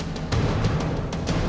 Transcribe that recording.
jangan lupa like share dan subscribe